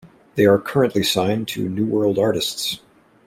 They are currently signed to New World Artists.